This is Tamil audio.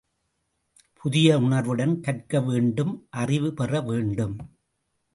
புதிய உணர்வுடன் கற்க வேண்டும் அறிவு பெற வேண்டும்.